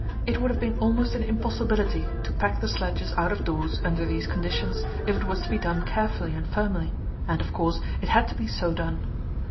It would have been almost an impossibility to pack the sledges out of doors under these conditions if it was to be done carefully and firmly; and, of course, it had to be so done.